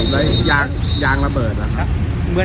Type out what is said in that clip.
แล้วยางระเบิดละครับ